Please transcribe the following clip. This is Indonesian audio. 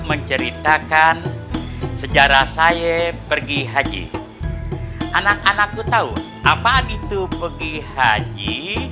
menceritakan sejarah saya pergi haji anak anak branch habar itu pergi haji